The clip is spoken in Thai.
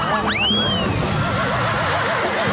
โอ้โห